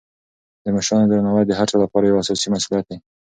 د مشرانو درناوی د هر چا لپاره یو اساسي مسولیت دی.